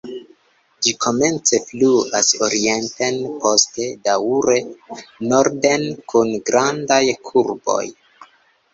Ĝi komence fluas orienten, poste daŭre norden kun grandaj kurboj.